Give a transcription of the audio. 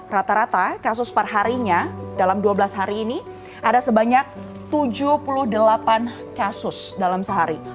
rata rata kasus perharinya dalam dua belas hari ini ada sebanyak tujuh puluh delapan kasus dalam sehari